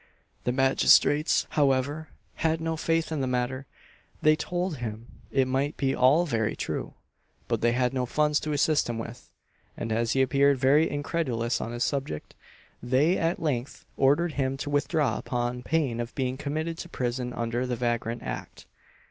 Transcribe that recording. The magistrates, however, had no faith in the matter; they told him it might be all very true, but they had no funds to assist him with; and, as he appeared very incredulous on this subject, they at length ordered him to withdraw upon pain of being committed to prison under the Vagrant Act.